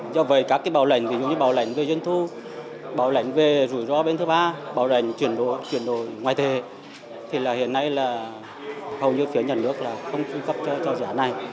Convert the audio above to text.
do với các bảo lãnh ví dụ như bảo lãnh về doanh thu bảo lãnh về rủi ro bên thứ ba bảo lãnh chuyển đổi ngoại tệ thì hiện nay hầu như phía nhà nước không cung cấp cho giá này